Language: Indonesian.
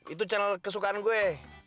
itu channel kesukaan gue